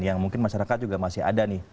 yang mungkin masyarakat juga masih ada nih